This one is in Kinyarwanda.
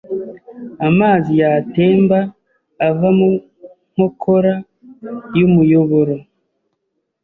Amazi yatemba ava mu nkokora y'umuyoboro.